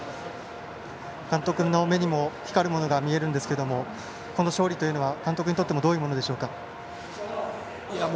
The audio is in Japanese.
監督の目にも光るものが見えるんですけどもこの勝利というのは監督にとってもどういうものでしょうか。